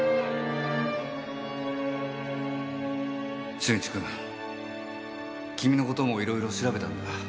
俊一君君の事もいろいろ調べたんだ。